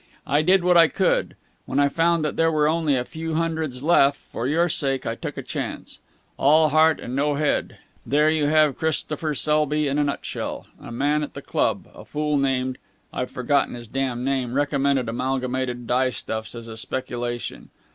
"I did what I could. When I found that there were only a few hundreds left, for your sake I took a chance. All heart and no head! There you have Christopher Selby in a nutshell! A man at the club, a fool named I've forgotten his damn name recommended Amalgamated Dyestuffs as a speculation.